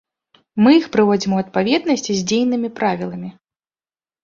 Мы іх прыводзім у адпаведнасць з дзейнымі правіламі.